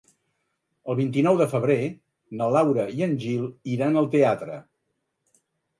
El vint-i-nou de febrer na Laura i en Gil iran al teatre.